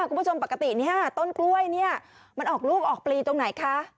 คุณผู้ชมปกติเนี่ยต้นกล้วยเนี่ยมันออกรูปออกปลีตรงไหนคะ